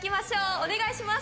お願いします。